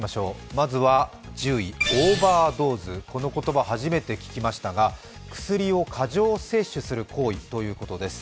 まずは１０位、オーバードーズこの言葉、初めて聞きましたが、薬を過剰摂取する行為ということです。